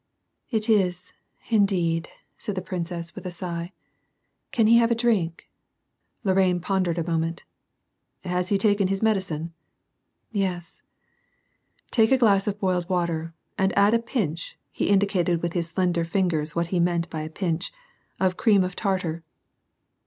" It is, indeed," said the princess, with a sigh. " Can he have a drink ?" Lorrain pondered a moment. " Has he taken his medicine ?"" Yes." " Take a glass of boiled water, and add a pinch (he indicated with hia slender fingers what he meant by a pincn) of cream of tartar."